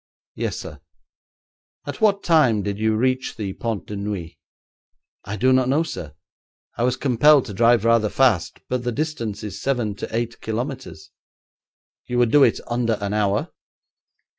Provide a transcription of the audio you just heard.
'Yes, sir.' 'At what time did you reach the Pont de Neuilly?' 'I do not know, sir; I was compelled to drive rather fast, but the distance is seven to eight kilometres.' 'You would do it under the hour?'